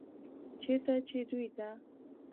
چرته چې دوي ته